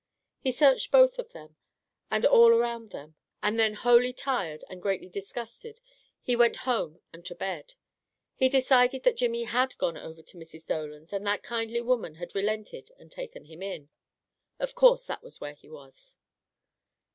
He searched both of them, and all around them, and then wholly tired, and greatly disgusted, he went home and to bed. He decided that Jimmy HAD gone to Mrs. Dolan's and that kindly woman had relented and taken him in. Of course that was where he was.